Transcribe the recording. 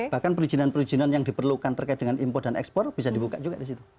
bahkan perizinan perizinan yang diperlukan terkait dengan impor dan ekspor bisa dibuka juga di situ